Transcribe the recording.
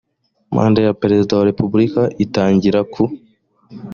manda ya perezida wa repubulika itangira ku